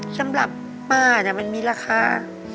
สำหรับป้ามันมีราคา